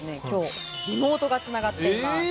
今日リモートが繋がっています。